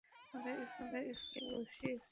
আমরা একটু বসি এখানে।